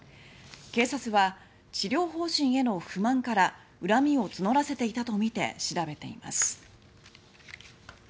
警察は治療方針への不満から恨みを募らせていたとみて調べています。